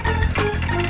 belum dapet kan